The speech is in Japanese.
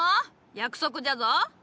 約束じゃぞ！